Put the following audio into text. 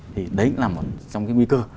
thì đấy cũng là một trong cái nguy cơ